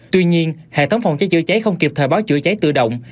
tuy nhiên hệ thống phòng cháy chữa cháy không kịp thời báo chữa cháy tự động